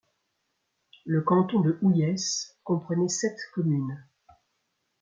Le canton de Houeillès comprenait sept communes.